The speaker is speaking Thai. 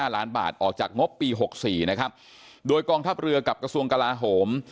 ล้านบาทออกจากงบปี๖๔นะครับโดยกองทัพเรือกับกระทรวงกลาโหม